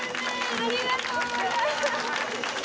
ありがとうございます